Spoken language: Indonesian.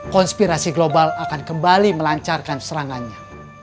konspirasi global akan kembali melancarkan serangannya